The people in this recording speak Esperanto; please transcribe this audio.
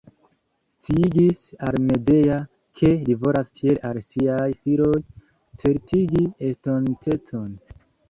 Sciigis al Medea, ke li volas tiel al siaj filoj certigi estontecon.